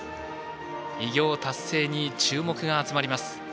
偉業達成に注目が集まります。